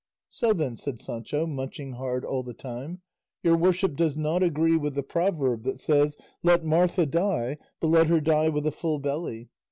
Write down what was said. "So then," said Sancho, munching hard all the time, "your worship does not agree with the proverb that says, 'Let Martha die, but let her die with a full belly.